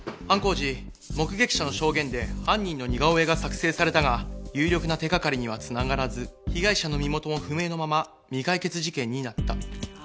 犯行時目撃者の証言で犯人の似顔絵が作成されたが有力な手がかりには繋がらず被害者の身元も不明のまま未解決事件になった。